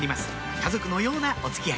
家族のようなお付き合い